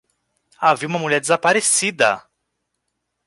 Havia uma mulher desaparecida!